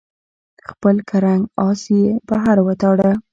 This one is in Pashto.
خپل کرنګ آس یې بهر وتاړه.